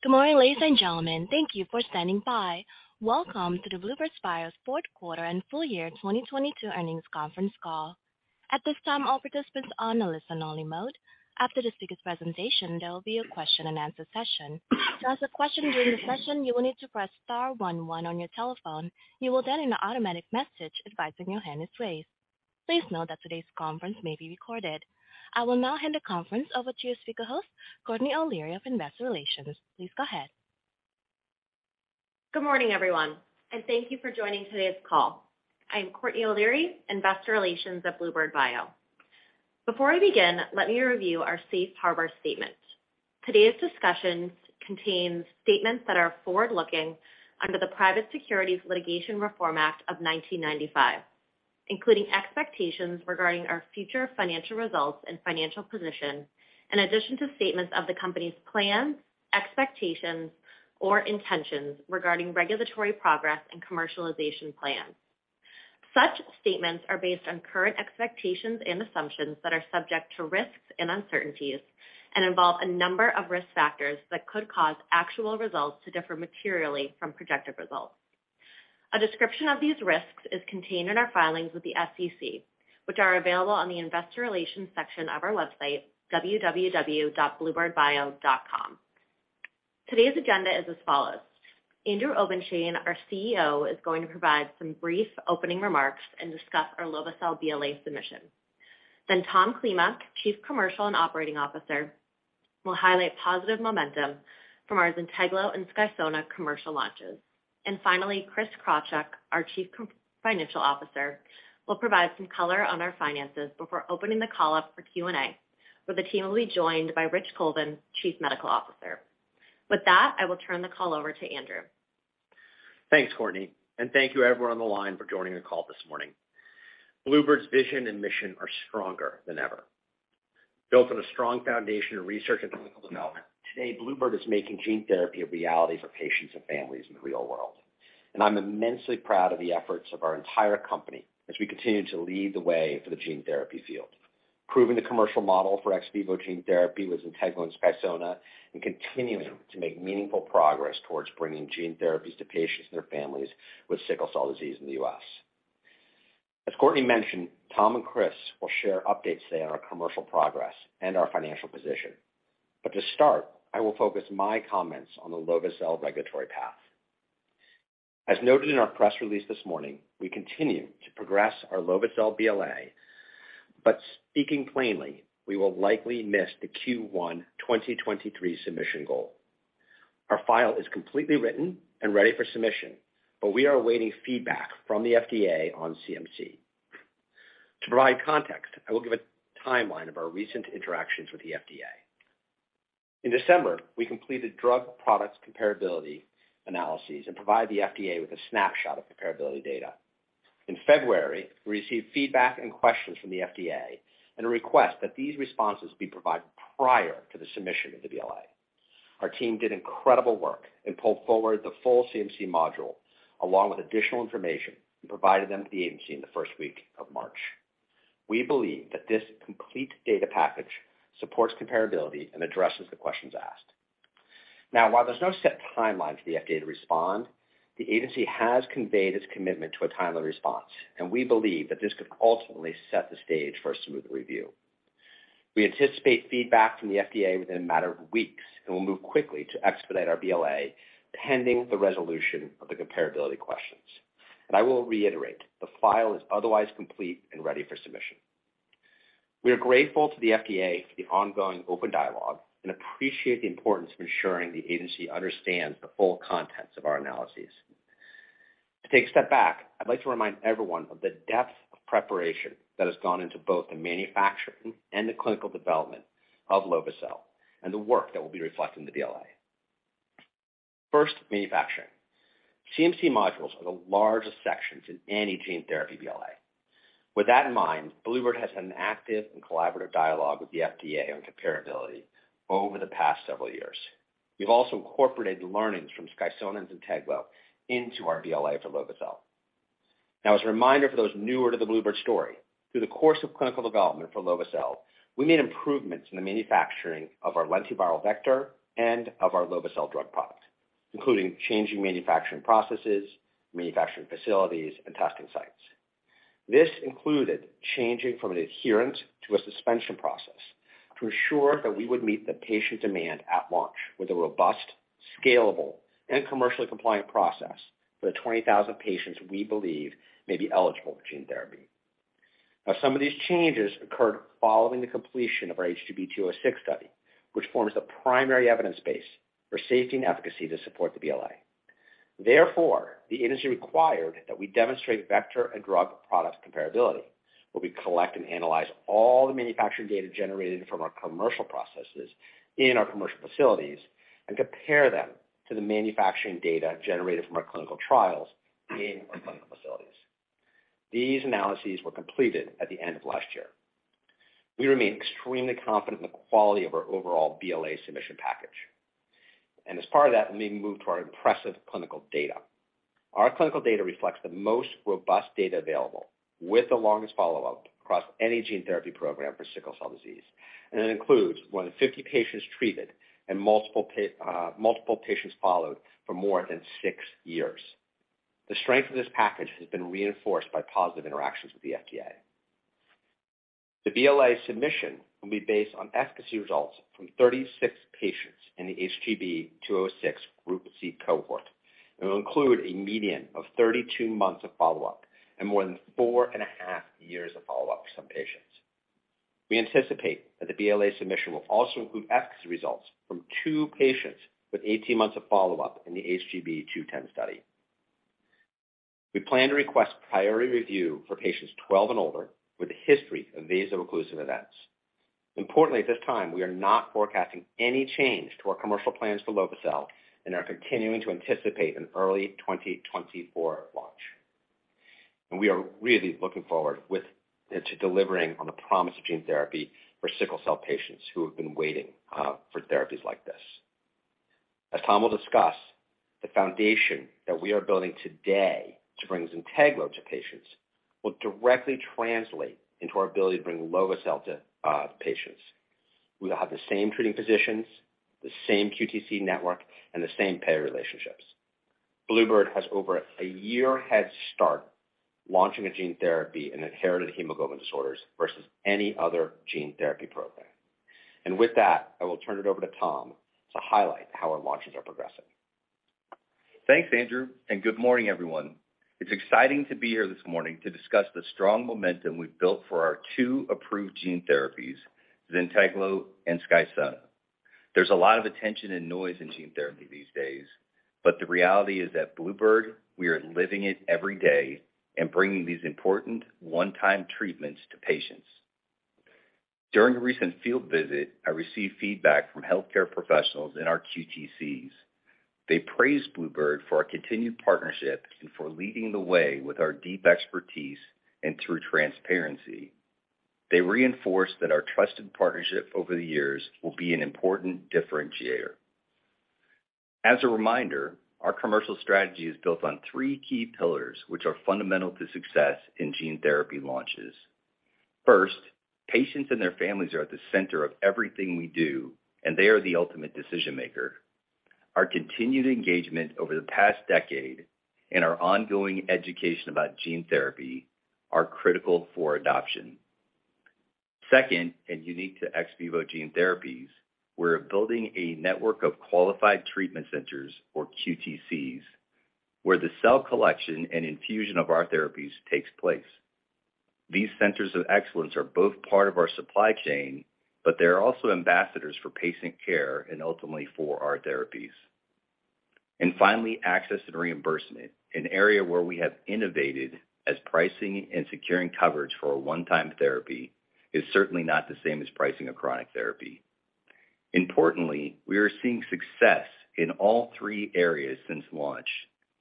Good morning, ladies and gentlemen. Thank you for standing by. Welcome to the bluebird bio's fourth quarter and full year 2022 earnings conference call. At this time, all participants are on a listen only mode. After the speaker's presentation, there will be a question-and-answer session. To ask a question during the session, you will need to Press Star one one on your telephone. You will hear an automatic message advising your hand is raised. Please note that today's conference may be recorded. I will now hand the conference over to your speaker host, Courtney O'Leary of Investor Relations. Please go ahead. Good morning, everyone, and thank you for joining today's call. I am Courtney O'Leary, Investor Relations at bluebird bio. Before I begin, let me review our safe harbor statement. Today's discussions contain statements that are forward-looking under the Private Securities Litigation Reform Act of 1995, including expectations regarding our future financial results and financial position, in addition to statements of the company's plans, expectations, or intentions regarding regulatory progress and commercialization plans. Such statements are based on current expectations and assumptions that are subject to risks and uncertainties and involve a number of risk factors that could cause actual results to differ materially from projected results. A description of these risks is contained in our filings with the SEC, which are available on the Investor Relations section of our website, www.bluebirdbio.com. Today's agenda is as follows. Andrew Obenshain, our CEO, is going to provide some brief opening remarks and discuss our lovo-cel BLA submission. Tom Klima, Chief Commercial and Operating Officer, will highlight positive momentum from our ZYNTEGLO and SKYSONA commercial launches. Finally, Chris Krawczyk, our Chief Financial Officer, will provide some color on our finances before opening the call up for Q&A, where the team will be joined by Rich Colvin, Chief Medical Officer. With that, I will turn the call over to Andrew. Thanks, Courtney. Thank you everyone on the line for joining the call this morning. bluebird's vision and mission are stronger than ever. Built on a strong foundation of research and clinical development, today bluebird is making gene therapy a reality for patients and families in the real world. I'm immensely proud of the efforts of our entire company as we continue to lead the way for the gene therapy field. Proving the commercial model for ex vivo gene therapy with ZYNTEGLO and SKYSONA and continuing to make meaningful progress towards bringing gene therapies to patients and their families with sickle cell disease in the U.S. As Courtney mentioned, Tom and Chris will share updates today on our commercial progress and our financial position. To start, I will focus my comments on the lovo-cel regulatory path. As noted in our press release this morning, we continue to progress our lovo-cel BLA, but speaking plainly, we will likely miss the Q1 2023 submission goal. Our file is completely written and ready for submission, but we are awaiting feedback from the FDA on CMC. To provide context, I will give a timeline of our recent interactions with the FDA. In December, we completed drug product comparability analyses and provided the FDA with a snapshot of comparability data. In February, we received feedback and questions from the FDA and a request that these responses be provided prior to the submission of the BLA. Our team did incredible work and pulled forward the full CMC module along with additional information and provided them to the agency in the first week of March. We believe that this complete data package supports comparability and addresses the questions asked. While there's no set timeline for the FDA to respond, the agency has conveyed its commitment to a timely response, and we believe that this could ultimately set the stage for a smooth review. We anticipate feedback from the FDA within a matter of weeks, and we'll move quickly to expedite our BLA pending the resolution of the comparability questions. I will reiterate, the file is otherwise complete and ready for submission. We are grateful to the FDA for the ongoing open dialogue and appreciate the importance of ensuring the agency understands the full contents of our analyses. To take a step back, I'd like to remind everyone of the depth of preparation that has gone into both the manufacturing and the clinical development of lovo-cel and the work that will be reflected in the BLA. First, manufacturing. CMC modules are the largest sections in any gene therapy BLA. With that in mind, Bluebird has had an active and collaborative dialogue with the FDA on comparability over the past several years. We've also incorporated learnings from SKYSONA and ZYNTEGLO into our BLA for lovo-cel. As a reminder for those newer to the Bluebird story, through the course of clinical development for lovo-cel, we made improvements in the manufacturing of our lentiviral vector and of our lovo-cel drug product, including changing manufacturing processes, manufacturing facilities, and testing sites. This included changing from an adherent to a suspension process to ensure that we would meet the patient demand at launch with a robust, scalable and commercially compliant process for the 20,000 patients we believe may be eligible for gene therapy. Some of these changes occurred following the completion of our HGB-206 study, which forms the primary evidence base for safety and efficacy to support the BLA. The industry required that we demonstrate vector and drug product comparability, where we collect and analyze all the manufacturing data generated from our commercial processes in our commercial facilities and compare them to the manufacturing data generated from our clinical trials in our clinical facilities. These analyses were completed at the end of last year. We remain extremely confident in the quality of our overall BLA submission package, as part of that, let me move to our impressive clinical data. Our clinical data reflects the most robust data available with the longest follow-up across any gene therapy program for sickle cell disease, and it includes more than 50 patients treated and multiple patients followed for more than 6 years. The strength of this package has been reinforced by positive interactions with the FDA. The BLA submission will be based on efficacy results from 36 patients in the HGB-206 Group C cohort, and will include a median of 32 months of follow-up and more than four and a half years of follow-up for some patients. We anticipate that the BLA submission will also include efficacy results from two patients with 18 months of follow-up in the HGB-210 study. We plan to request priority review for patients 12 and older with a history of vaso-occlusive events. Importantly, at this time, we are not forecasting any change to our commercial plans for lovo-cel and are continuing to anticipate an early 2024 launch. We are really looking forward to delivering on the promise of gene therapy for sickle cell patients who have been waiting for therapies like this. As Tom will discuss, the foundation that we are building today to bring ZYNTEGLO to patients will directly translate into our ability to bring lovo-cel to patients. We will have the same treating physicians, the same QTC network, and the same payer relationships. Bluebird has over a year head start launching a gene therapy in inherited hemoglobin disorders versus any other gene therapy program. With that, I will turn it over to Tom to highlight how our launches are progressing. Thanks, Andrew. Good morning, everyone. It's exciting to be here this morning to discuss the strong momentum we've built for our two approved gene therapies, ZYNTEGLO and SKYSONA. There's a lot of attention and noise in gene therapy these days, but the reality is, at Bluebird, we are living it every day and bringing these important one-time treatments to patients. During a recent field visit, I received feedback from healthcare professionals in our QTCs. They praised Bluebird for our continued partnership and for leading the way with our deep expertise and through transparency. They reinforced that our trusted partnership over the years will be an important differentiator. As a reminder, our commercial strategy is built on three key pillars, which are fundamental to success in gene therapy launches. First, patients and their families are at the center of everything we do, and they are the ultimate decision-maker. Our continued engagement over the past decade and our ongoing education about gene therapy are critical for adoption. Second, unique to ex vivo gene therapies, we're building a network of Qualified Treatment Centers, or QTCs, where the cell collection and infusion of our therapies takes place. These centers of excellence are both part of our supply chain, but they're also ambassadors for patient care and ultimately for our therapies. Finally, access and reimbursement, an area where we have innovated as pricing and securing coverage for a one-time therapy is certainly not the same as pricing a chronic therapy. Importantly, we are seeing success in all three areas since launch,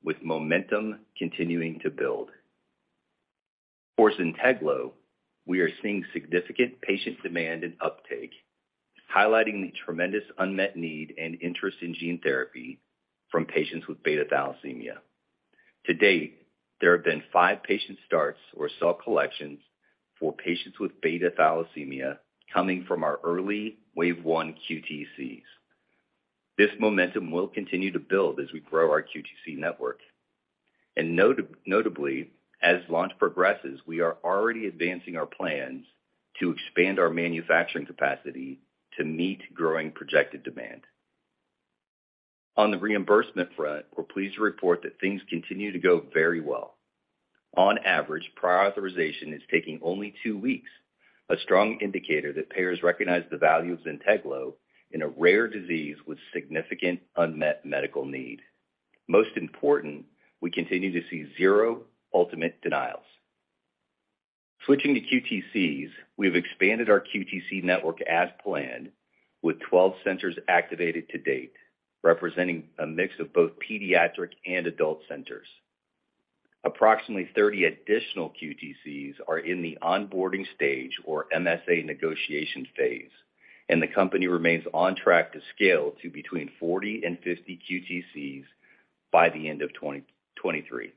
with momentum continuing to build. For ZYNTEGLO, we are seeing significant patient demand and uptake, highlighting the tremendous unmet need and interest in gene therapy from patients with beta-thalassemia. To date, there have been five patient starts or cell collections for patients with beta-thalassemia coming from our early wave one QTCs. This momentum will continue to build as we grow our QTC network. Notably, as launch progresses, we are already advancing our plans to expand our manufacturing capacity to meet growing projected demand. On the reimbursement front, we're pleased to report that things continue to go very well. On average, prior authorization is taking only two weeks, a strong indicator that payers recognize the value of ZYNTEGLO in a rare disease with significant unmet medical need. Most important, we continue to see 0 ultimate denials. Switching to QTCs, we have expanded our QTC network as planned with 12 centers activated to date, representing a mix of both pediatric and adult centers. Approximately 30 additional QTCs are in the onboarding stage or MSA negotiation phase, the company remains on track to scale to between 40 and 50 QTCs by the end of 2023.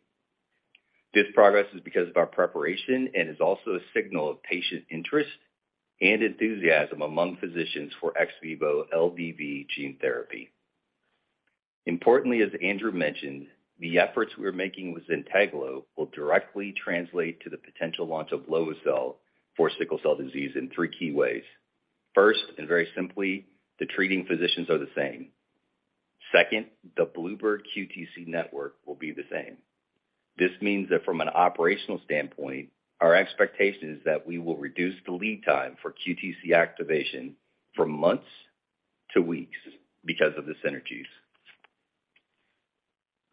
This progress is because of our preparation and is also a signal of patient interest and enthusiasm among physicians for ex vivo LVV gene therapy. Importantly, as Andrew mentioned, the efforts we're making with ZYNTEGLO will directly translate to the potential launch of lovo-cel for sickle cell disease in three key ways. First, very simply, the treating physicians are the same. Second, the bluebird QTC network will be the same. This means that from an operational standpoint, our expectation is that we will reduce the lead time for QTC activation from months to weeks because of the synergies.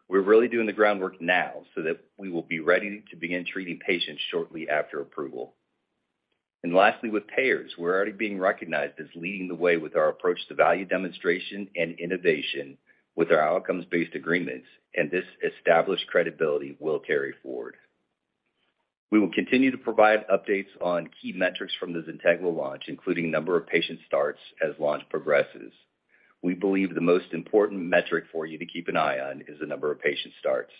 We're really doing the groundwork now so that we will be ready to begin treating patients shortly after approval. Lastly, with payers, we're already being recognized as leading the way with our approach to value demonstration and innovation with our outcomes-based agreements, and this established credibility will carry forward. We will continue to provide updates on key metrics from the ZYNTEGLO launch, including number of patient starts as launch progresses. We believe the most important metric for you to keep an eye on is the number of patient starts.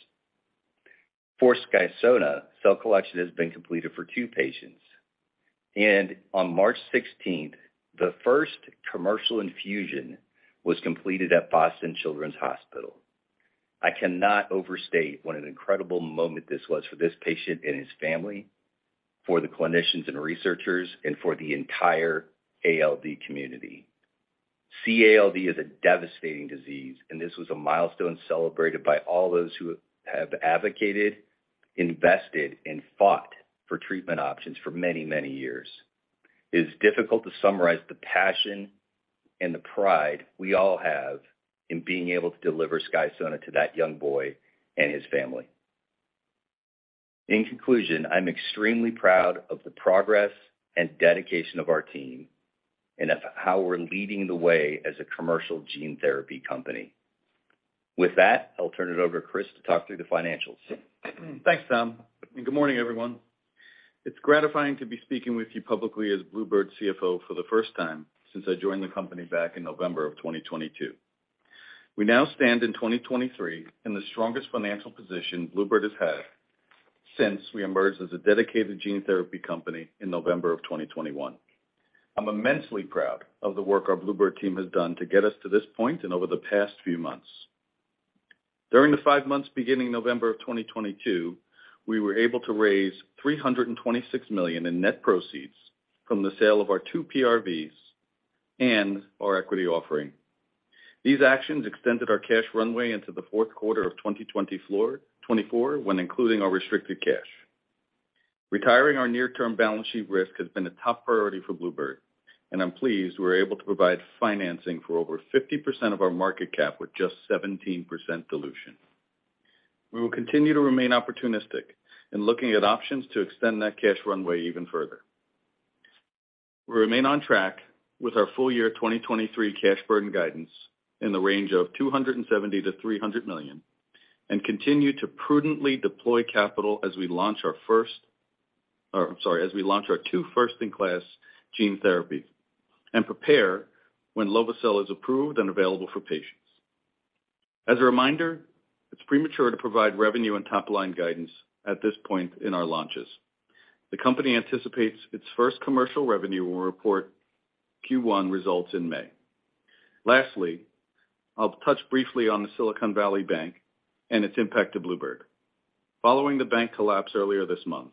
For SKYSONA, cell collection has been completed for two patients, and on March sixteenth, the first commercial infusion was completed at Boston Children's Hospital. I cannot overstate what an incredible moment this was for this patient and his family, for the clinicians and researchers, and for the entire ALD community. CALD is a devastating disease, and this was a milestone celebrated by all those who have advocated, invested, and fought for treatment options for many, many years. It is difficult to summarize the passion and the pride we all have in being able to deliver SKYSONA to that young boy and his family. In conclusion, I'm extremely proud of the progress and dedication of our team and of how we're leading the way as a commercial gene therapy company. With that, I'll turn it over to Chris to talk through the financials. Thanks, Tom. Good morning, everyone. It's gratifying to be speaking with you publicly as Bluebird's CFO for the first time since I joined the company back in November of 2022. We now stand in 2023 in the strongest financial position Bluebird has had since we emerged as a dedicated gene therapy company in November of 2021. I'm immensely proud of the work our Bluebird team has done to get us to this point and over the past few months. During the five months beginning November of 2022, we were able to raise $326 million in net proceeds from the sale of our two PRVs and our equity offering. These actions extended our cash runway into the fourth quarter of 2024 when including our restricted cash. Retiring our near-term balance sheet risk has been a top priority for bluebird bio, and I'm pleased we're able to provide financing for over 50% of our market cap with just 17% dilution. We will continue to remain opportunistic in looking at options to extend that cash runway even further. We remain on track with our full year 2023 cash burn guidance in the range of $270 million-$300 million, and continue to prudently deploy capital as we launch our two first-in-class gene therapies and prepare when lovo-cel is approved and available for patients. As a reminder, it's premature to provide revenue and top-line guidance at this point in our launches. The company anticipates its first commercial revenue will report Q1 results in May. Lastly, I'll touch briefly on the Silicon Valley Bank and its impact to bluebird. Following the bank collapse earlier this month,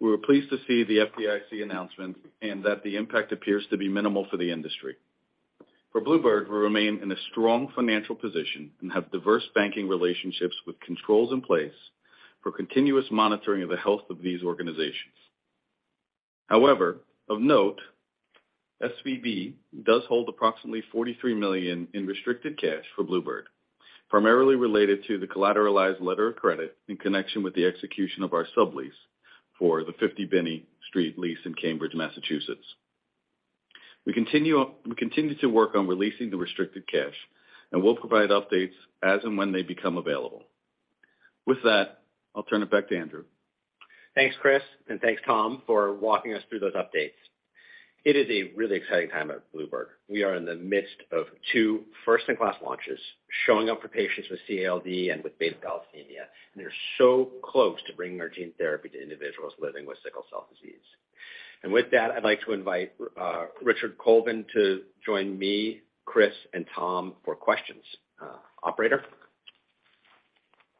we were pleased to see the FDIC announcement and that the impact appears to be minimal for the industry. For bluebird, we remain in a strong financial position and have diverse banking relationships with controls in place for continuous monitoring of the health of these organizations. Of note, SVB does hold approximately $43 million in restricted cash for bluebird, primarily related to the collateralized letter of credit in connection with the execution of our sublease for the 50 Binney Street lease in Cambridge, Massachusetts. We continue to work on releasing the restricted cash, and we'll provide updates as and when they become available. With that, I'll turn it back to Andrew. Thanks, Chris, and thanks Tom for walking us through those updates. It is a really exciting time at bluebird bio. We are in the midst of two first-in-class launches, showing up for patients with CALD and with beta-thalassemia, and they're so close to bringing our gene therapy to individuals living with sickle cell disease. With that, I'd like to invite Richard Colvin to join me, Chris and Tom for questions. Operator?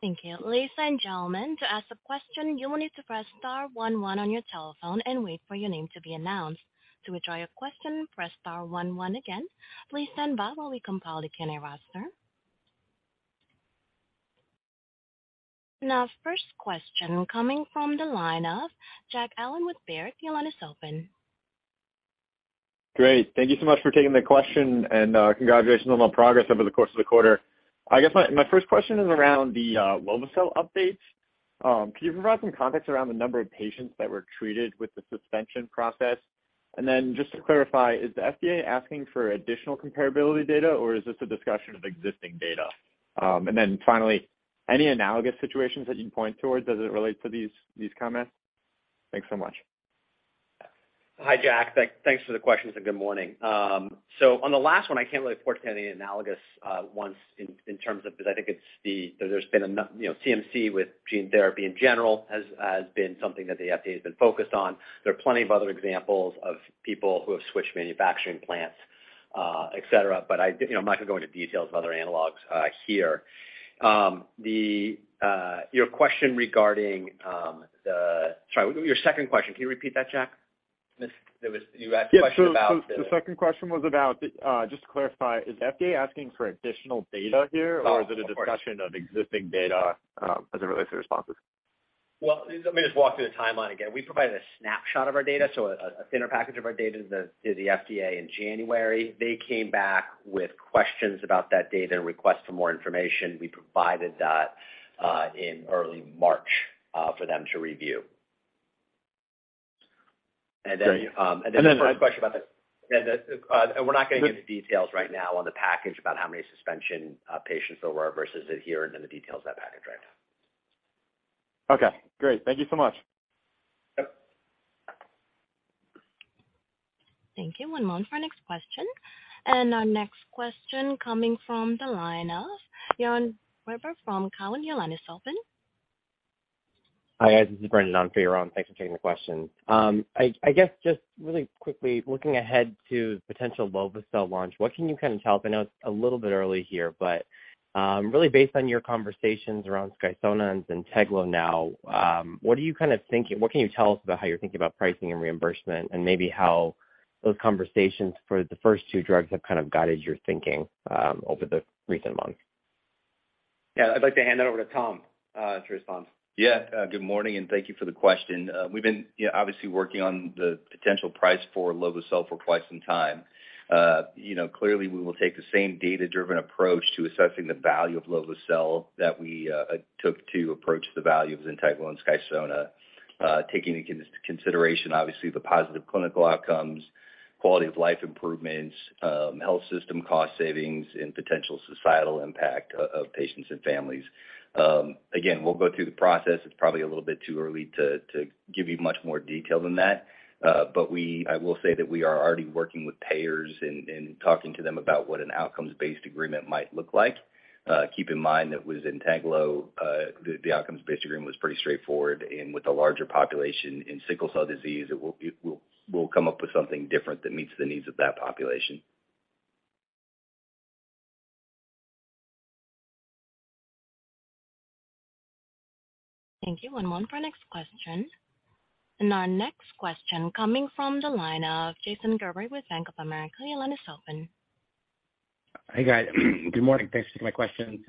Thank you. Ladies and gentlemen, to ask a question, you will need to Press Star 11 on your telephone and wait for your name to be announced. To withdraw your question, Press Star 11 again. Please stand by while we compile the Q&A roster. First question coming from the line of Jack Allen with Baird. Your line is open. Great. Thank you so much for taking the question, and congratulations on all progress over the course of the quarter. I guess my first question is around the lovo-cel updates. Can you provide some context around the number of patients that were treated with the suspension process? Just to clarify, is the FDA asking for additional comparability data, or is this a discussion of existing data? Finally, any analogous situations that you can point towards as it relates to these comments? Thanks so much. Hi, Jack. Thanks for the questions and good morning. So on the last one, I can't really point to any analogous ones in terms of, because I think it's There's been You know, CMC with gene therapy in general has been something that the FDA has been focused on. There are plenty of other examples of people who have switched manufacturing plants, et cetera. I, you know, I'm not gonna go into details of other analogs, here. Your question regarding. Sorry, your second question. Can you repeat that, Jack? This, there was, You asked a question about. Yeah. so the second question was about just to clarify, is the FDA asking for additional data here? Oh, of course. Is it a discussion of existing data, as it relates to responses? Well, let me just walk through the timeline again. We provided a snapshot of our data, so a thinner package of our data to the FDA in January. They came back with questions about that data and requests for more information. We provided that in early March for them to review. The first question about that. Yeah, we're not gonna get into details right now on the package about how many suspension patients there were versus adherent in the details of that package right now. Okay, great. Thank you so much. Yep. Thank you. One moment for our next question. Our next question coming from the line of Yaron Werber from Cowen. Your line is open. Hi, guys, this is Brendan on for Yaron. Thanks for taking the question. I guess just really quickly looking ahead to potential lovo-cel launch, what can you kind of tell us? I know it's a little bit early here, but really based on your conversations around SKYSONA and ZYNTEGLO now, what are you kind of thinking? What can you tell us about how you're thinking about pricing and reimbursement and maybe how those conversations for the first two drugs have kind of guided your thinking over the recent months? Yeah, I'd like to hand that over to Tom, to respond. Good morning, and thank you for the question. We've been, you know, obviously working on the potential price for lovo-cel for quite some time. You know, clearly we will take the same data-driven approach to assessing the value of lovo-cel that we took to approach the value of ZYNTEGLO and SKYSONA, taking into consideration, obviously, the positive clinical outcomes, quality of life improvements, health system cost savings, and potential societal impact of patients and families. Again, we'll go through the process. It's probably a little bit too early to give you much more detail than that. I will say that we are already working with payers and talking to them about what an outcomes-based agreement might look like. Keep in mind that with Zynteglo, the outcomes-based agreement was pretty straightforward, and with the larger population in sickle cell disease, it will be, we'll come up with something different that meets the needs of that population. Thank you. One moment for our next question. Our next question coming from the line of Jason Gerberry with Bank of America. Your line is open. Hi, guys. Good morning. Thanks for taking my questions.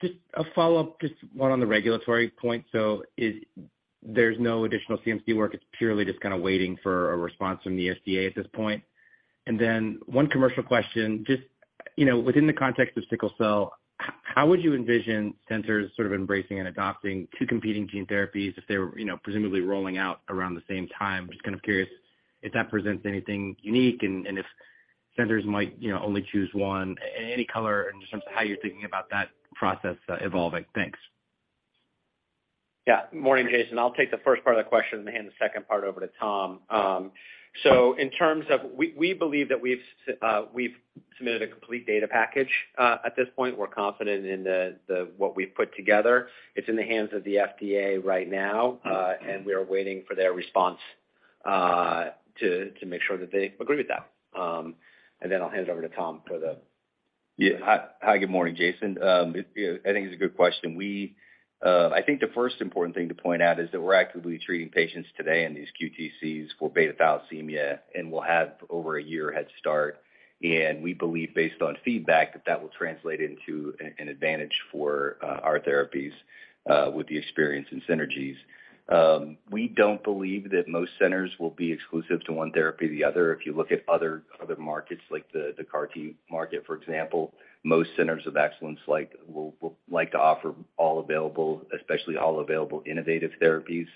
Just a follow-up, just one on the regulatory point. There's no additional CMC work. It's purely just kind of waiting for a response from the FDA at this point. One commercial question, just, you know, within the context of sickle cell, how would you envision centers sort of embracing and adopting two competing gene therapies if they were, you know, presumably rolling out around the same time? Just kind of curious if that presents anything unique and if centers might, you know, only choose one. Any color in terms of how you're thinking about that process evolving. Thanks. Yeah. Morning, Jason. I'll take the first part of the question and hand the second part over to Tom. So in terms of... We believe that we've submitted a complete data package at this point. We're confident in the what we've put together. It's in the hands of the FDA right now, and we are waiting for their response to make sure that they agree with that. I'll hand it over to Tom for the. Yeah. Hi. Hi, good morning, Jason. you know, I think it's a good question. We, I think the first important thing to point out is that we're actively treating patients today in these QTCs for beta-thalassemia, and we'll have over a year head start. We believe based on feedback that that will translate into an advantage for our therapies, with the experience and synergies. We don't believe that most centers will be exclusive to one therapy or the other. If you look at other markets like the CAR-T market, for example, most centers of excellence like to offer all available, especially all available innovative therapies.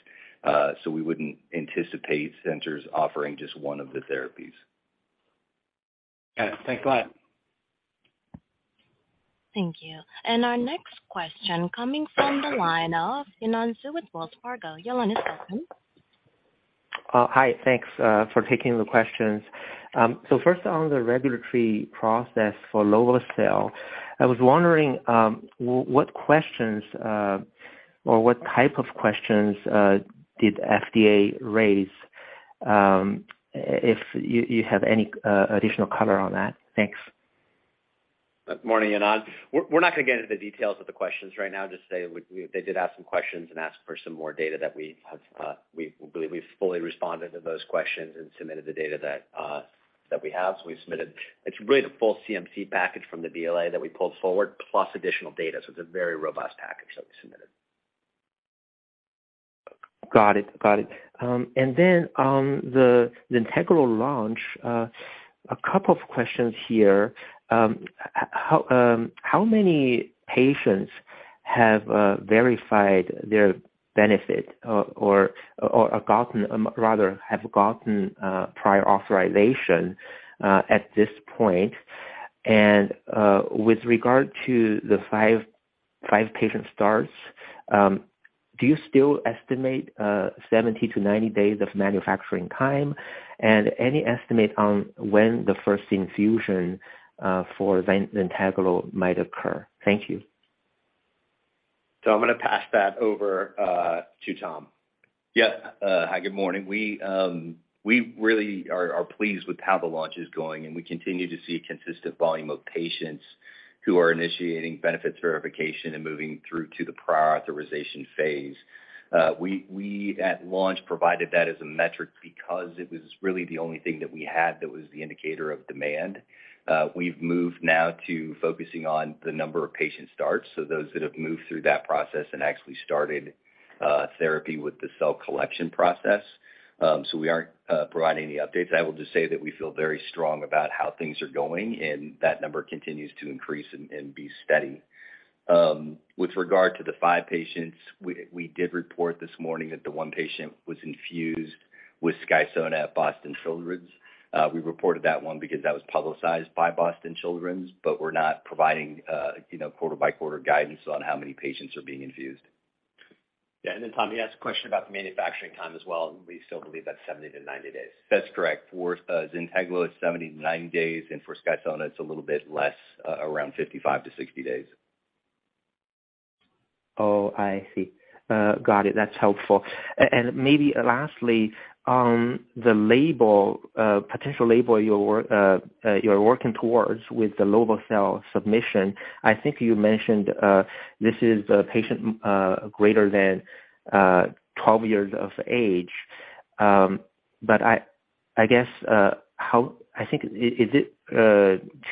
We wouldn't anticipate centers offering just one of the therapies. Okay. Thanks a lot. Thank you. Our next question coming from the line of Yanan Zhu with Wells Fargo. Your line is open. Hi. Thanks for taking the questions. First on the regulatory process for lovo-cel, I was wondering, what questions, or what type of questions, did FDA raise, if you have any additional color on that? Thanks. Morning, Yonan. We're not gonna get into the details of the questions right now, just say we. They did ask some questions and ask for some more data that we have, we believe we've fully responded to those questions and submitted the data that we have. We've submitted, it's really the full CMC package from the BLA that we pulled forward plus additional data. It's a very robust package that we submitted. Got it. Got it. On the Zynteglo launch, a couple of questions here. How many patients have verified their benefit or have gotten rather have gotten prior authorization at this point? With regard to the 5 patient starts, do you still estimate 70-90 days of manufacturing time? Any estimate on when the first infusion for Zynteglo might occur? Thank you. I'm gonna pass that over to Tom. Yeah. Hi, good morning. We really are pleased with how the launch is going, and we continue to see a consistent volume of patients who are initiating benefit verification and moving through to the prior authorization phase. We at launch provided that as a metric because it was really the only thing that we had that was the indicator of demand. We've moved now to focusing on the number of patient starts, so those that have moved through that process and actually started therapy with the cell collection process. We aren't providing any updates. I will just say that we feel very strong about how things are going, and that number continues to increase and be steady. With regard to the five patients, We did report this morning that the one patient was infused with SKYSONA at Boston Children's. We reported that one because that was publicized by Boston Children's, but we're not providing, you know, quarter by quarter guidance on how many patients are being infused. Yeah. Tom, you asked a question about the manufacturing time as well. We still believe that's 70 to 90 days. That's correct. For ZYNTEGLO, it's 79 days, and for SKYSONA, it's a little bit less, around 55-60 days. Oh, I see. Got it. That's helpful. Maybe lastly, the label, potential label you're working towards with the lovo-cel submission. I think you mentioned this is a patient greater than 12 years of age. I guess how I think is it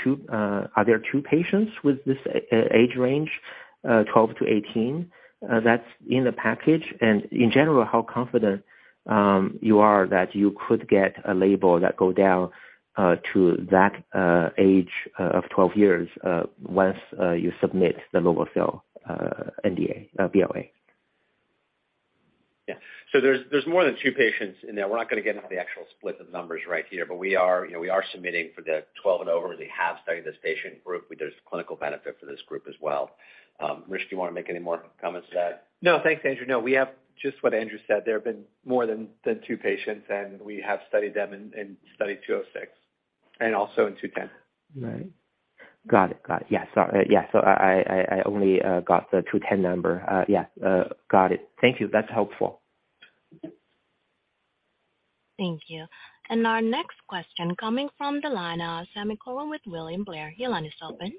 two are there two patients with this age range, 12-18, that's in the package? In general, how confident you are that you could get a label that go down to that age of 12 years once you submit the lovo-cel NDA, BLA? Yeah. There's more than two patients in there. We're not gonna get into the actual split of numbers right here, but we are, you know, we are submitting for the 12 and over. We have studied this patient group. There's clinical benefit for this group as well. Rich, do you wanna make any more comments to that? No, thanks, Andrew. No, we have just what Andrew said. There have been more than 2 patients, and we have studied them in study 206 and also in 210. Right. Got it. Got it. Yeah. Yeah, so I only got the 210 number. Yeah, got it. Thank you. That's helpful. Thank you. Our next question coming from the line of Sami Corwin with William Blair. Your line is open.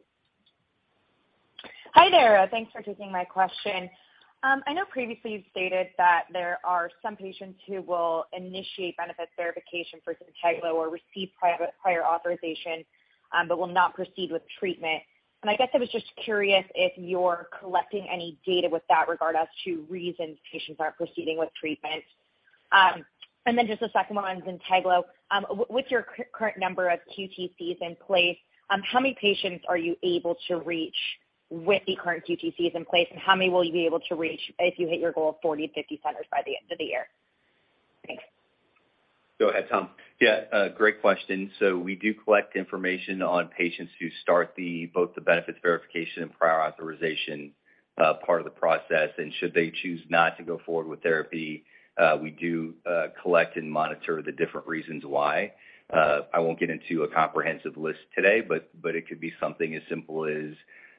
Hi there. Thanks for taking my question. I know previously you've stated that there are some patients who will initiate benefit verification for ZYNTEGLO or receive prior authorization, but will not proceed with treatment. I was just curious if you're collecting any data with that regard as to reasons patients aren't proceeding with treatment? Just a second one on ZYNTEGLO. With your current number of QTCs in place, how many patients are you able to reach with the current QTCs in place, and how many will you be able to reach if you hit your goal of 40-50 centers by the end of the year? Thanks. Go ahead, Tom. Yeah, great question. We do collect information on patients who start the, both the benefits verification and prior authorization part of the process. Should they choose not to go forward with therapy, we do collect and monitor the different reasons why. I won't get into a comprehensive list today, but it could be something as simple as,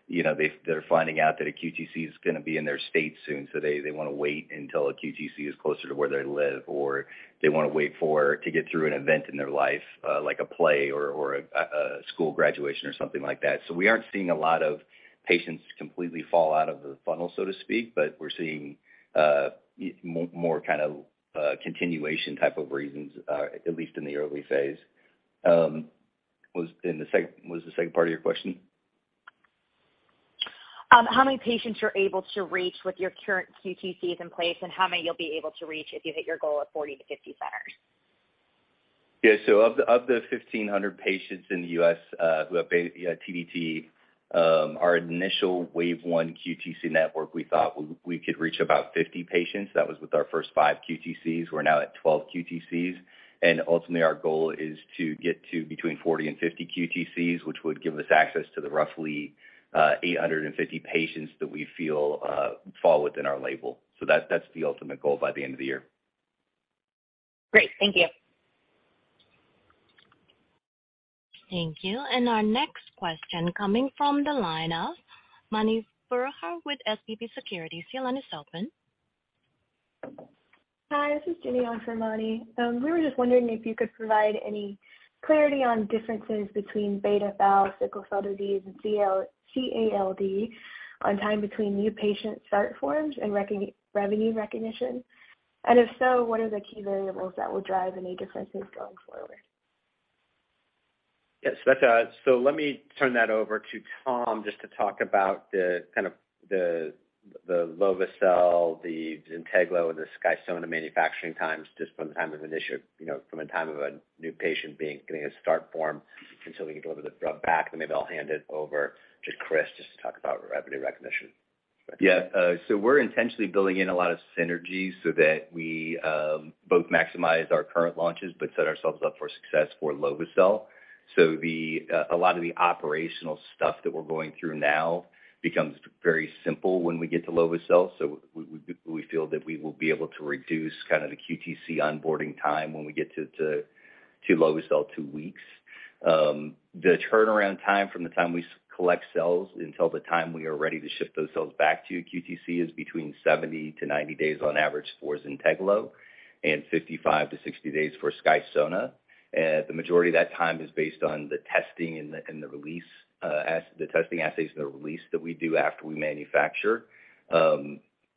you know, they're finding out that a QTC is gonna be in their state soon, so they wanna wait until a QTC is closer to where they live, or they wanna wait for to get through an event in their life, like a play or a school graduation or something like that. We aren't seeing a lot of patients completely fall out of the funnel, so to speak, but we're seeing, more kind of, continuation type of reasons, at least in the early phase. What was the second part of your question? How many patients you're able to reach with your current QTCs in place, and how many you'll be able to reach if you hit your goal of 40-50 centers? Yeah. Of the 1,500 patients in the U.S. who have TDT, our initial wave one QTC network, we thought we could reach about 50 patients. That was with our first 5 QTCs. We're now at 12 QTCs. Ultimately, our goal is to get to between 40 and 50 QTCs, which would give us access to the roughly 850 patients that we feel fall within our label. That's the ultimate goal by the end of the year. Great. Thank you. Thank you. Our next question coming from the line of Mani Foroohar with SVB Securities. Your line is open. Hi, this is Jenny on for Mani. We were just wondering if you could provide any clarity on differences between beta thalassemia, sickle cell disease, and CALD on time between new patient start forms and revenue recognition. If so, what are the key variables that will drive any differences going forward? Yes. That's. Let me turn that over to Tom just to talk about the, kind of the lovo-cel, the ZYNTEGLO, and the SKYSONA manufacturing times just from the time of an issue, you know, from the time of a new patient getting a start form until we get a little bit of the rub back, and maybe I'll hand it over to Chris just to talk about revenue recognition. We're intentionally building in a lot of synergies so that we both maximize our current launches but set ourselves up for success for lovo-cel. A lot of the operational stuff that we're going through now becomes very simple when we get to lovo-cel. We feel that we will be able to reduce kind of the QTC onboarding time when we get to lovo-cel to weeks. The turnaround time from the time we collect cells until the time we are ready to ship those cells back to QTC is between 70-90 days on average for ZYNTEGLO and 55-60 days for SKYSONA. The majority of that time is based on the testing and the release, the testing assays and the release that we do after we manufacture.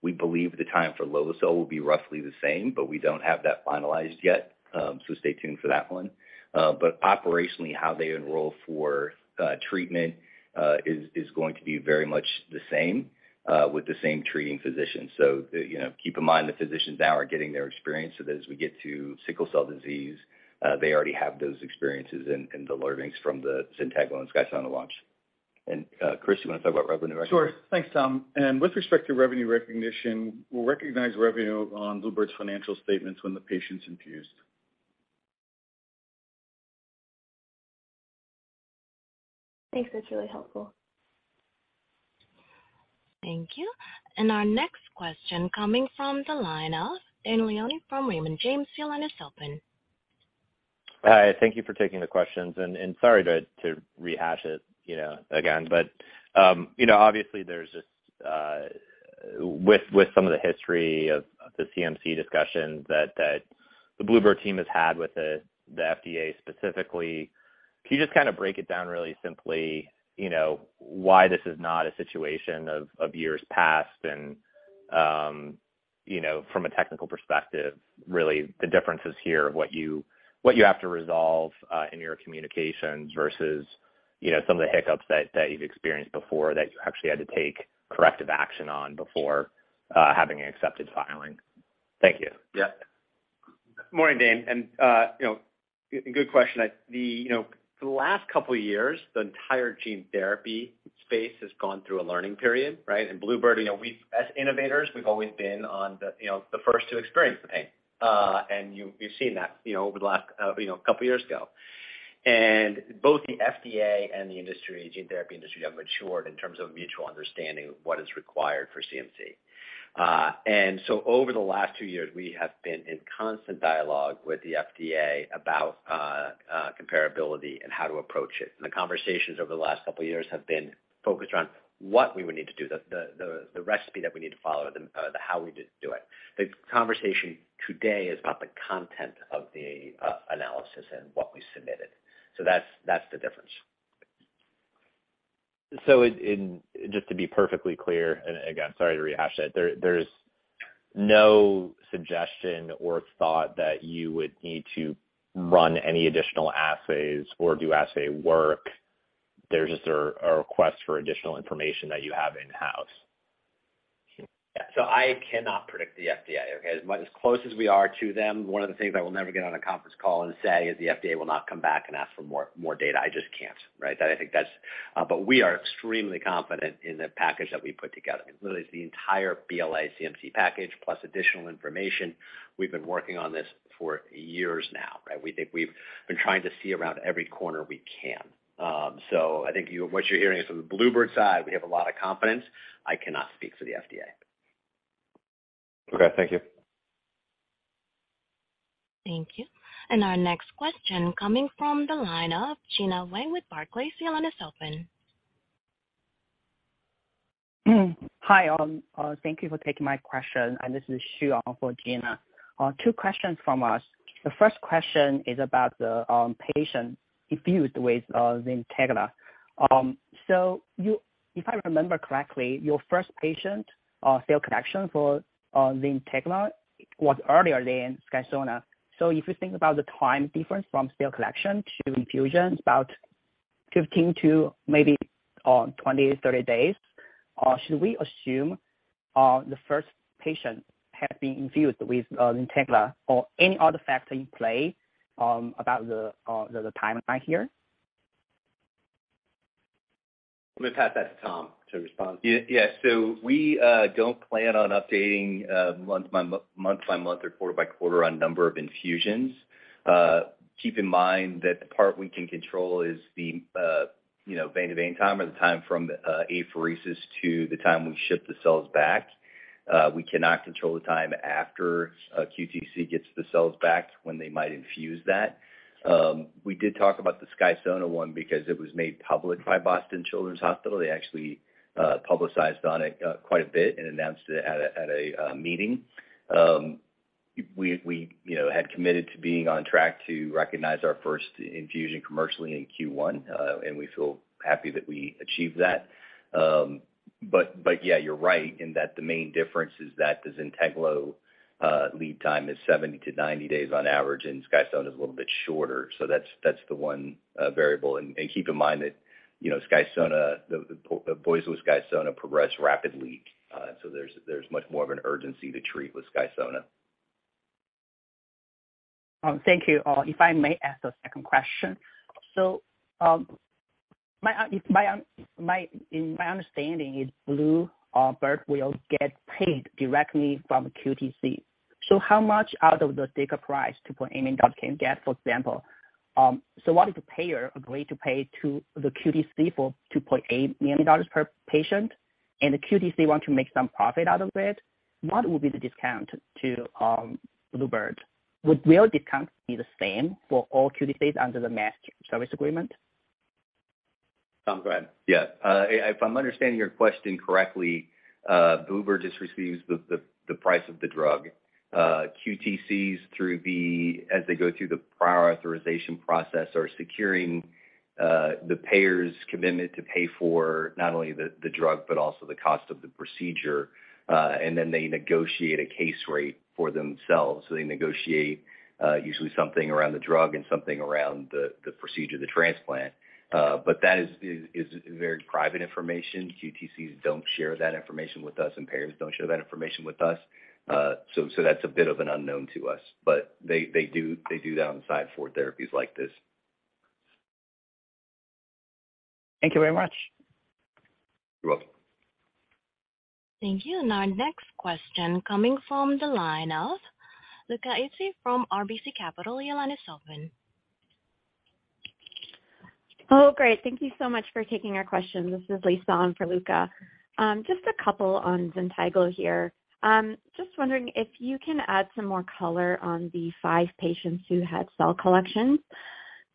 We believe the time for lovo-cel will be roughly the same, but we don't have that finalized yet, so stay tuned for that one. Operationally, how they enroll for treatment is going to be very much the same with the same treating physician. The, you know, keep in mind the physicians now are getting their experience so that as we get to sickle cell disease, they already have those experiences and the learnings from the ZYNTEGLO and SKYSONA launch. Chris, you want to talk about revenue recognition? Sure. Thanks, Tom. With respect to revenue recognition, we'll recognize revenue on bluebird bio's financial statements when the patient's infused. Thanks. That's really helpful. Thank you. Our next question coming from the line of Dane Leone from Raymond James. Your line is open. Hi. Thank you for taking the questions, and sorry to rehash it, you know, again, but, you know, obviously there's just with some of the history of the CMC discussions that the bluebird team has had with the FDA specifically, can you just kind of break it down really simply, you know, why this is not a situation of years past? You know, from a technical perspective, really the differences here of what you have to resolve in your communications versus, you know, some of the hiccups that you've experienced before that you actually had to take corrective action on before having an accepted filing. Thank you. Yeah. Morning, Dane, and, you know, good question. The, you know, the last couple years, the entire gene therapy space has gone through a learning period, right? Bluebird, you know, we've as innovators, we've always been on the, you know, the first to experience the pain. You've seen that, you know, over the last, you know, couple years ago. Both the FDA and the industry, gene therapy industry, have matured in terms of mutual understanding of what is required for CMC. Over the last two years, we have been in constant dialogue with the FDA about comparability and how to approach it. The conversations over the last couple years have been focused around what we would need to do, the recipe that we need to follow, the how we do it. The conversation today is about the content of the analysis and what we submitted. That's the difference. In just to be perfectly clear, and again, sorry to rehash it, there's no suggestion or thought that you would need to run any additional assays or do assay work. There's just a request for additional information that you have in-house. I cannot predict the FDA, okay? As close as we are to them, one of the things I will never get on a conference call and say is the FDA will not come back and ask for more data. I just can't, right? That I think that's. We are extremely confident in the package that we put together. It really is the entire BLA CMC package, plus additional information. We've been working on this for years now, right? We think we've been trying to see around every corner we can. I think what you're hearing is from the bluebird side, we have a lot of confidence. I cannot speak for the FDA. Okay. Thank you. Thank you. Our next question coming from the line of Gena Wang with Barclays. Your line is open. Hi, all. Thank you for taking my question. This is Shu Ng for Gena Wang. Two questions from us. The first question is about the patient infused with Zynteglo. If I remember correctly, your first patient cell collection for Zynteglo was earlier than Skysona. If you think about the time difference from cell collection to infusion, it's about 15 to maybe 20-30 days. Should we assume the first patient has been infused with Zynteglo or any other factor in play about the timeline here? I'm gonna pass that to Tom to respond. Yeah. Yeah. We don't plan on updating month by month or quarter by quarter on number of infusions. Keep in mind that the part we can control is the, you know, vein to vein time or the time from the apheresis to the time we ship the cells back. We cannot control the time after QTC gets the cells back when they might infuse that. We did talk about the SKYSONA one because it was made public by Boston Children's Hospital. They actually publicized on it quite a bit and announced it at a, at a meeting. We, you know, had committed to being on track to recognize our first infusion commercially in Q1, and we feel happy that we achieved that. Yeah, you're right in that the main difference is that the ZYNTEGLO lead time is 70-90 days on average, and SKYSONA is a little bit shorter. That's the one variable. Keep in mind that, you know, SKYSONA, the boys with SKYSONA progress rapidly. There's much more of an urgency to treat with SKYSONA. Thank you. If I may ask a second question. In my understanding is bluebird bio will get paid directly from QTC. How much out of the sticker price $2.8 million can get, for example? What if the payer agreed to pay to the QTC for $2.8 million per patient, and the QTC want to make some profit out of it, what will be the discount to bluebird bio? Will discount be the same for all QTCs under the master service agreement? Tom, go ahead. Yeah. If I'm understanding your question correctly, bluebird bio just receives the price of the drug. QTCs through the, as they go through the prior authorization process, are securing the payer's commitment to pay for not only the drug, but also the cost of the procedure, and then they negotiate a case rate for themselves. They negotiate usually something around the drug and something around the procedure, the transplant. That is very private information. QTCs don't share that information with us, and payers don't share that information with us. That's a bit of an unknown to us. They do that on the side for therapies like this. Thank you very much. You're welcome. Thank you. Our next question coming from the line of Luca Issi from RBC Capital. Your line is open. Great. Thank you so much for taking our questions. This is Lisa on for Luca. Just a couple on ZYNTEGLO here. Just wondering if you can add some more color on the five patients who had cell collection.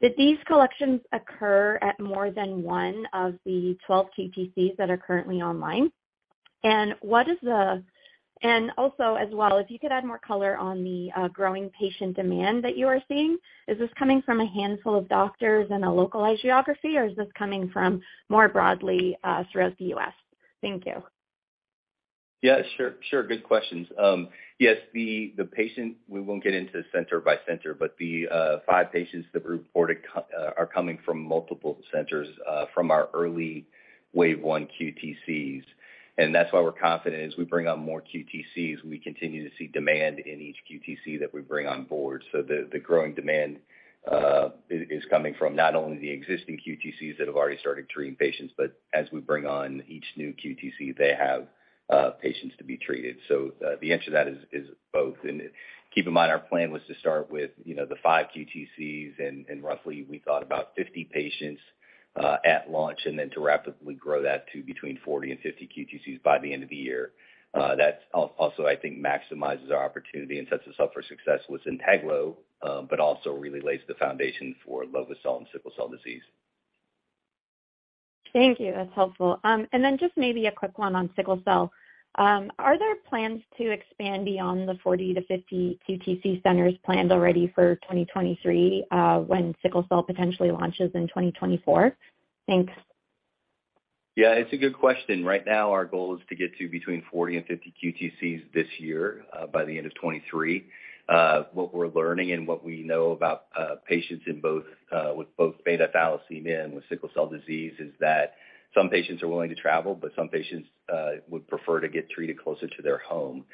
Did these collections occur at more than one of the 12 QTCs that are currently online? Also as well, if you could add more color on the growing patient demand that you are seeing. Is this coming from a handful of doctors in a localized geography, or is this coming from more broadly throughout the U.S.? Thank you. Yeah, sure. Sure. Good questions. Yes, the patient, we won't get into center by center, but the 5 patients that were reported are coming from multiple centers, from our early wave one QTCs. That's why we're confident as we bring on more QTCs, we continue to see demand in each QTC that we bring on board. The growing demand is coming from not only the existing QTCs that have already started treating patients, but as we bring on each new QTC, they have patients to be treated. The answer to that is both. Keep in mind our plan was to start with, you know, the five QTCs and roughly we thought about 50 patients at launch and then to rapidly grow that to between 40 and 50 QTCs by the end of the year. That's also, I think, maximizes our opportunity and sets us up for success with ZYNTEGLO, but also really lays the foundation for lovo-cel and sickle cell disease. Thank you. That's helpful. Just maybe a quick one on sickle cell. Are there plans to expand beyond the 40-50 QTC centers planned already for 2023, when sickle cell potentially launches in 2024? Thanks. Yeah, it's a good question. Right now our goal is to get to between 40 and 50 QTCs this year, by the end of 2023. What we're learning and what we know about patients in both, with both beta thalassemia and with sickle cell disease is that some patients are willing to travel, but some patients would prefer to get treated closer to their home.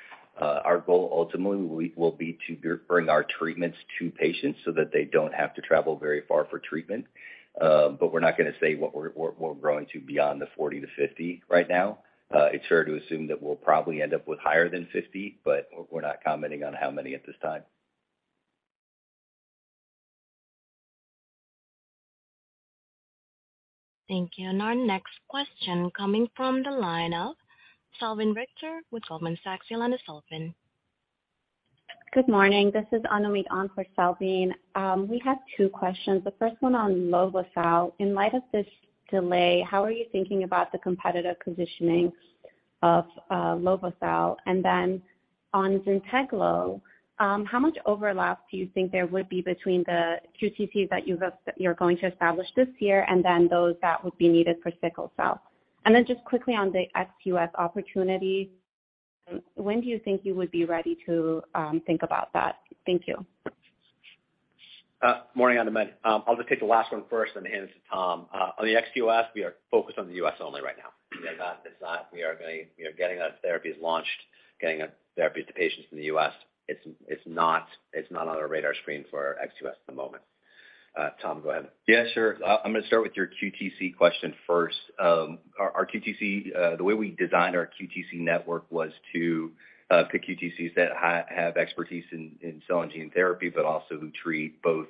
Our goal ultimately will be to bring our treatments to patients so that they don't have to travel very far for treatment. We're not gonna say what we're growing to beyond the 40-50 right now. It's fair to assume that we'll probably end up with higher than 50, but we're not commenting on how many at this time. Thank you. Our next question coming from the line of Salveen Richter with Goldman Sachs. Your line is open. Good morning. This is Jaehoon Ahn for Salveen. We have two questions. The first one on lovo-cel. In light of this delay, how are you thinking about the competitive positioning of lovo-cel? On ZYNTEGLO, how much overlap do you think there would be between the QTCs that you're going to establish this year and then those that would be needed for sickle cell? Just quickly on the ex-US opportunity, when do you think you would be ready to think about that? Thank you. Morning, Anomit. I'll just take the last one first and then hand it to Tom. On the ex-U.S., we are focused on the U.S. only right now. We are very, you know, getting our therapies launched, getting our therapy to patients in the U.S. It's not on our radar screen for ex-U.S. at the moment. Tom, go ahead. Sure. I'm gonna start with your QTC question first. Our QTC, the way we designed our QTC network was to pick QTCs that have expertise in cell and gene therapy, but also who treat both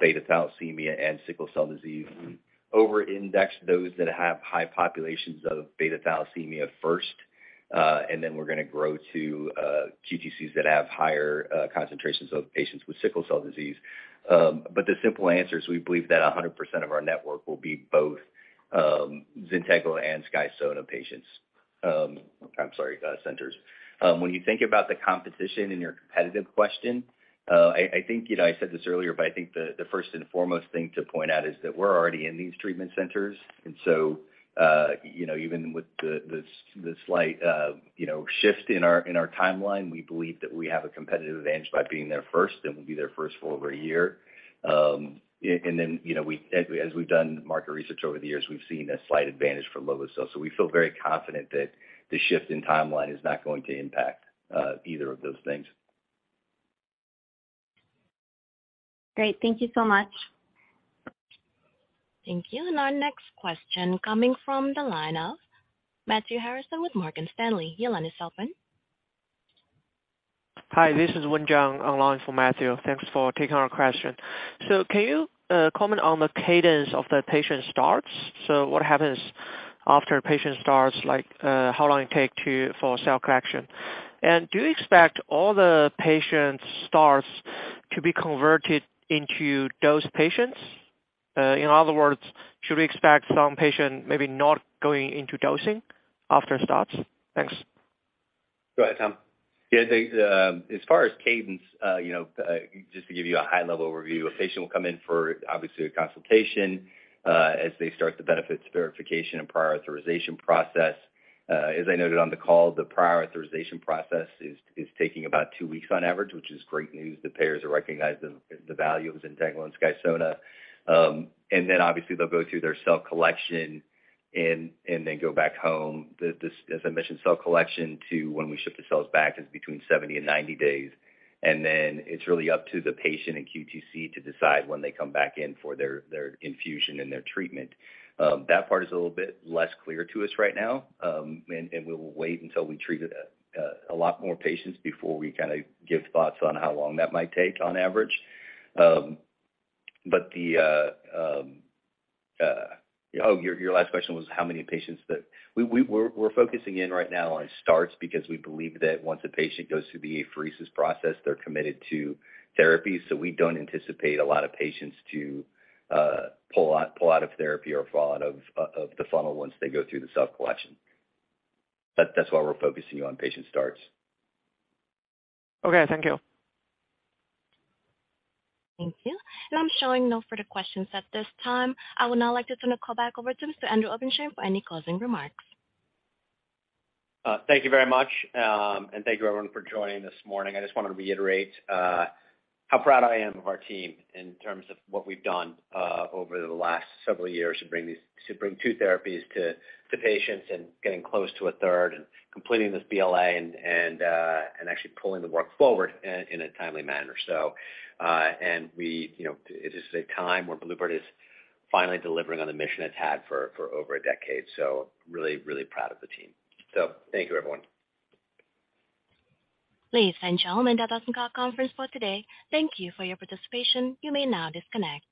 beta-thalassemia and sickle cell disease. Over-index those that have high populations of beta-thalassemia first, and then we're gonna grow to QTCs that have higher concentrations of patients with sickle cell disease. The simple answer is we believe that 100% of our network will be both ZYNTEGLO and SKYSONA patients. I'm sorry, centers. When you think about the competition in your competitive question, I think, you know, I said this earlier, I think the first and foremost thing to point out is that we're already in these treatment centers. You know, even with the slight, you know, shift in our timeline, we believe that we have a competitive advantage by being there first, and we'll be there first for over a year. You know, as we've done market research over the years, we've seen a slight advantage for lovo-cel. We feel very confident that the shift in timeline is not going to impact either of those things. Great. Thank you so much. Thank you. Our next question coming from the line of Matthew Harrison with Morgan Stanley. Your line is open. Hi, this is Wenzhao Zhang online for Matthew. Thanks for taking our question. Can you comment on the cadence of the patient starts? What happens after a patient starts, like, how long it take for cell collection? Do you expect all the patient starts to be converted into dose patients? In other words, should we expect some patient maybe not going into dosing after starts? Thanks. Go ahead, Tom. Yeah, thanks. As far as cadence, you know, just to give you a high-level overview, a patient will come in for obviously a consultation, as they start the benefit verification and prior authorization process. As I noted on the call, the prior authorization process is taking about two weeks on average, which is great news that payers are recognizing the value of ZYNTEGLO and SKYSONA. Obviously they'll go through their cell collection and then go back home. This, as I mentioned, cell collection to when we ship the cells back is between 70 and 90 days. Then it's really up to the patient and QTC to decide when they come back in for their infusion and their treatment. That part is a little bit less clear to us right now, and we'll wait until we treat a lot more patients before we kinda give thoughts on how long that might take on average. Oh, your last question was how many patients that. We're focusing in right now on starts because we believe that once a patient goes through the apheresis process, they're committed to therapy. We don't anticipate a lot of patients to pull out of therapy or fall out of the funnel once they go through the cell collection. That's why we're focusing on patient starts. Okay, thank you. Thank you. I'm showing no further questions at this time. I would now like to turn the call back over to Mr. Andrew Obenshain for any closing remarks. Thank you very much. Thank you everyone for joining this morning. I just wanna reiterate how proud I am of our team in terms of what we've done over the last several years to bring two therapies to patients and getting close to a third and completing this BLA and actually pulling the work forward in a timely manner. We, you know, it is a time where bluebird bio is finally delivering on the mission it's had for over a decade. Really proud of the team. Thank you everyone. Ladies and gentlemen, that does end our conference for today. Thank you for your participation. You may now disconnect.